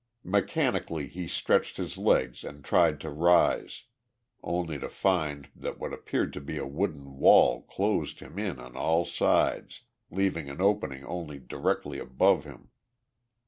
Mechanically he stretched his legs and tried to rise, only to find that what appeared to be a wooden wall closed him in on all sides, leaving an opening only directly above him.